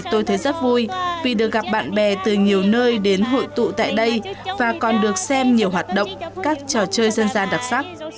tôi thấy rất vui vì được gặp bạn bè từ nhiều nơi đến hội tụ tại đây và còn được xem nhiều hoạt động các trò chơi dân gian đặc sắc